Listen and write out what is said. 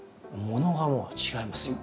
ものがもう違いますよ。